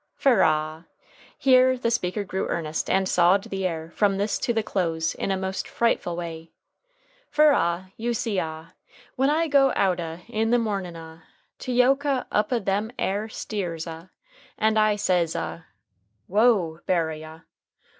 Fer ah" [here the speaker grew earnest, and sawed the air, from this to the close, in a most frightful way], "fer ah, you see ah, when I go out ah in the mornin' ah to yoke ah up ah them air steers ah, and I says ah, 'Wo, Berry ah!